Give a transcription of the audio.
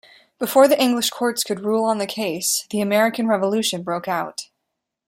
Before the English courts could rule on the case, the American Revolution broke out.